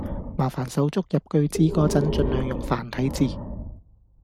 麻煩手足入句子嗰陣，盡量用繁體字